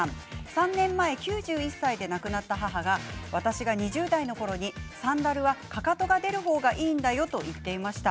３年前、９１歳で亡くなった母が私が２０代のころにサンダルはかかとが出る方がいいんだよと言っていました。